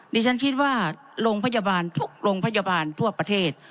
ดิฉันคิดว่าโรงพยาบาลทุกโรงพยาบาลทั่วประเทศ